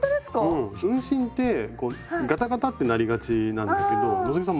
うん運針ってガタガタってなりがちなんだけど希さん